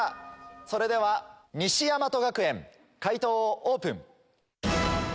それでは西大和学園解答をオープン。